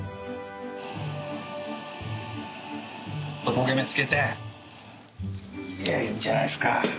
焦げ目つけていいんじゃないですか。